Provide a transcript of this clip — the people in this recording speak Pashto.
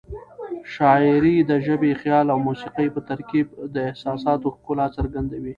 شاعري د ژبې، خیال او موسيقۍ په ترکیب د احساساتو ښکلا څرګندوي.